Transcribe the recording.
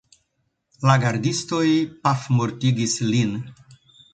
La gardistoj pafmortigis lin.